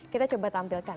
kita coba tampilkan